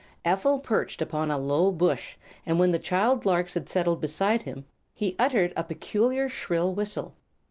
Ephel perched upon a low bush, and when the child larks had settled beside him he uttered a peculiar, shrill whistle.